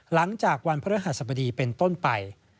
หลังจากวันพระรหัสบดีเป็นต้นไป